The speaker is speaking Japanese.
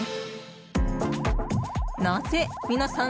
なぜ皆さん